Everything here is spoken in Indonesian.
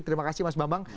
terima kasih mas bambang